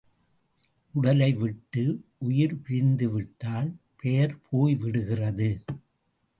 உடலை விட்டு உயிர் பிரிந்துவிட்டால் பெயர் போய்விடுகிறது.